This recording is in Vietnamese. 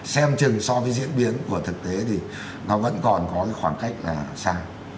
xem chừng so với diễn biến của thực tế thì nó vẫn còn có cái khoảng cách là sai